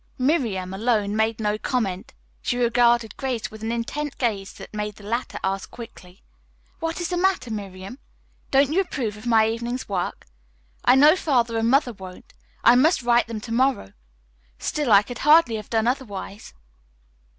Miriam, alone, made no comment. She regarded Grace with an intent gaze that made the latter ask quickly: "What is the matter, Miriam? Don't you approve of my evening's work? I know Father and Mother won't. I must write them to morrow. Still, I could hardly have done otherwise."